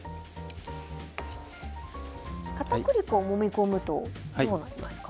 片栗粉をもみ込むとどうなりますか？